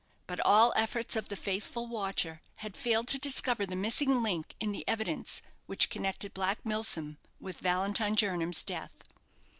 But all efforts of the faithful watcher had failed to discover the missing link in the evidence which connected Black Milsom with Valentine Jernam's death.